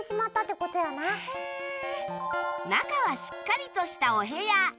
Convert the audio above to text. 中はしっかりとしたお部屋